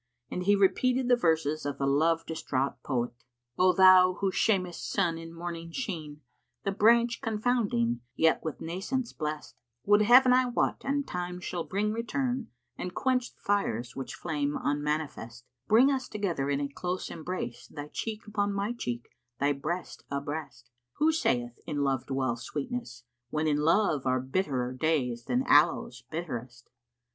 And he repeated the verses of the love distraught poet, "O thou who shamest sun in morning sheen * The branch confounding, yet with nescience blest; Would Heaven I wot an Time shall bring return * And quench the fires which flame unmanifest,— Bring us together in a close embrace, * Thy cheek upon my cheek, thy breast abreast! Who saith, In Love dwells sweetness? when in Love * Are bitterer days than Aloës[FN#63] bitterest."